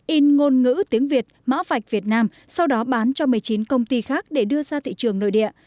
in ngôn ngữ tiếng việt mã vạch việt nam sau đó bán cho một mươi chín công ty khác để đưa ra thị trường nội địa